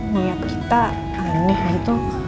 liat kita aneh gitu